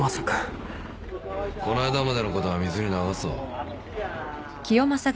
この間までのことは水に流そう。